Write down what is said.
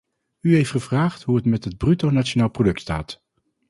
U heeft gevraagd hoe het met het bruto nationaal product staat.